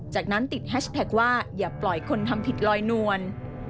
จากนั้นติดแฮชแท็กว่าอย่าปล่อยคนทำผิดลอยนวล